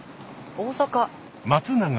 大阪。